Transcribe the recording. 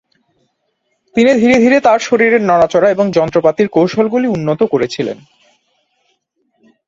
তিনি ধীরে ধীরে তার শরীরের নড়াচড়া এবং যন্ত্রপাতির কৌশলগুলি উন্নত করেছিলেন।